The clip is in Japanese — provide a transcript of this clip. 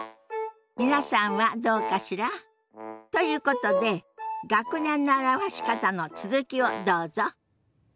皆さんはどうかしら？ということで学年の表し方の続きをどうぞ。